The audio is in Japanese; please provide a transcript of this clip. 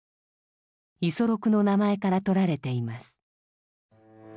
五十六の名前から取られています。